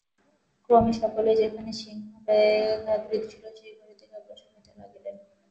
ক্রমে সকলেই যেখানে সিংহ-ব্যাঘ্রাদি ছিল, সেই ঘরের দিকে অগ্রসর হইতে লাগিলেন।